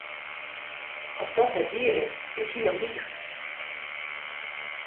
As dat net wier is, is hy in liger.